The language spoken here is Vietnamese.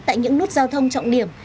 tại những nút giao thông trọng điểm